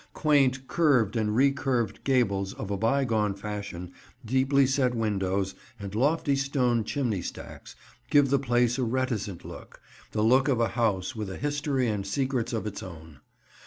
Quaint curved and re curved gables of a bygone fashion, deeply set windows, and lofty stone chimney stacks, give the place a reticent look; the look of a house with a history and secrets of its own.